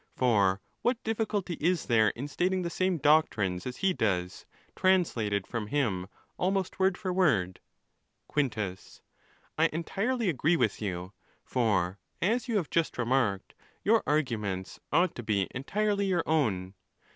For what diffi culty is there in stating the same doctrines as he does, trans lated from him almost word for word ?: Quintus.—I entirely agree with you ; for as you have just remarked, your arguments ought to be entirely your own.